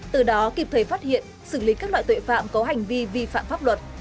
từ đó kịp thời phát hiện xử lý các loại tội phạm có hành vi vi phạm pháp luật